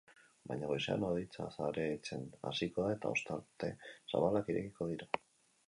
Baina goizean hodeitza saretzen hasiko da eta ostarte zabalak irekiko dira.